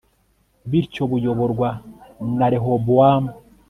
bityo buyoborwa na rehobowamu